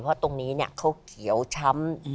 เพราะว่าตรงนี้เนี่ยเขาเขียวช้ำ